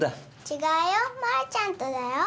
違うよ丸ちゃんとだよ。